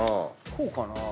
こうかな？